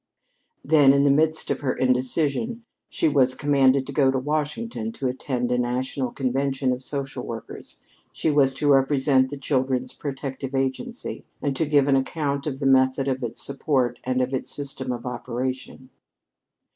Then, in the midst of her indecision, she was commanded to go to Washington to attend a national convention of social workers. She was to represent the Children's Protective Agency, and to give an account of the method of its support and of its system of operation.